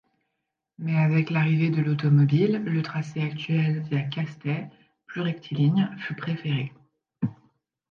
Mais avec l'arrivée de l'automobile, le tracé actuel via Castets, plus rectiligne, fut préféré.